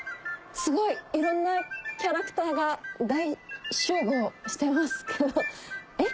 すごいいろんなキャラクターが大集合してますけどえっ？